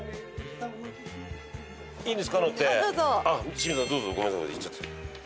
清水さんどうぞ。ごめんなさい行っちゃった。